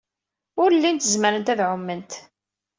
Ur llint zemrent ad ɛument.